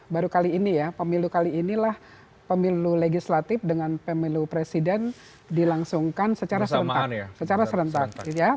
baru kali ini pemilu legislatif dengan pemilu presiden dilangsungkan secara serentak